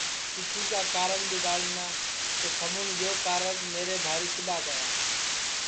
کیسی کا کارج ٻیگاڑنا کہ تھمُون یہ کارج میرے بھاری کِدؔا کرا